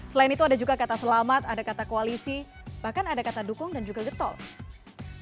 selain itu ada juga kata selamat ada kata koalisi bahkan ada kata dukung dan juga getol